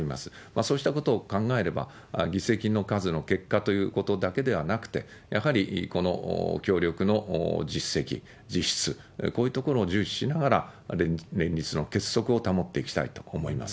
そうしたことを考えれば、議席の数の結果ということだけではなくて、やはりこの協力の実績、実質、こういうところを重視しながら、連立の結束を保っていきたいと思います。